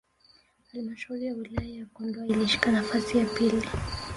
Halmshauri ya Wilaya ya Kondoa ilishika nafasi ya pili